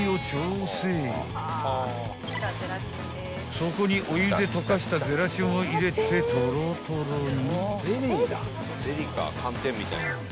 ［そこにお湯で溶かしたゼラチンを入れてトロトロに］